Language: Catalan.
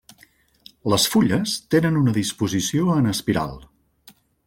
Les fulles tenen una disposició en espiral.